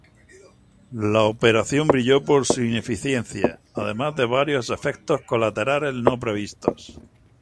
La Operación brilló por su ineficiencia, además de varios efectos colaterales no previstos.